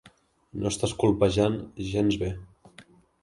No estàs colpejant gens bé.